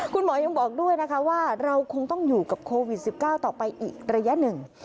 คุณหมอยังบอกด้วยนะคะว่าเราคงต้องอยู่กับโควิด๑๙ต่อไปอีกระยะหนึ่ง